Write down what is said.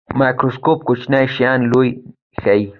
مایکروسکوپ کوچني شیان لوی ښيي